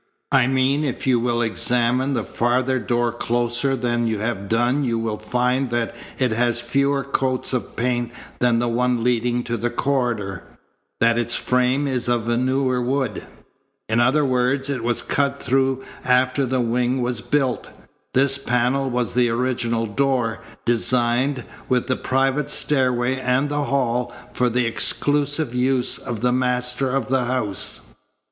I mean if you will examine the farther door closer than you have done you will find that it has fewer coats of paint than the one leading to the corridor, that its frame is of newer wood. In other words, it was cut through after the wing was built. This panel was the original door, designed, with the private stairway and the hall, for the exclusive use of the master of the house.